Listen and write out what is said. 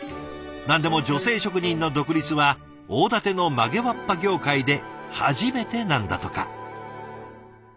何でも女性職人の独立は大館の曲げわっぱ業界で初めてなんだとか。